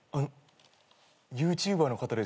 ＹｏｕＴｕｂｅｒの方ですよね？